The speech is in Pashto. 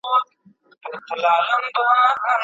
ځلا